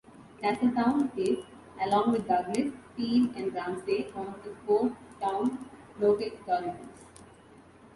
Castletown is, along with Douglas, Peel and Ramsey, one of four town local authorities.